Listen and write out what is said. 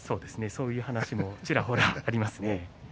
そういう話もちらほらありますね。